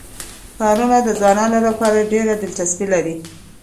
ښارونه د ځوانانو لپاره ډېره دلچسپي لري.